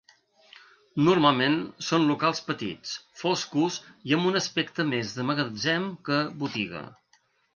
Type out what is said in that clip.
Normalment són locals petits, foscos i amb un aspecte més de magatzem que botiga.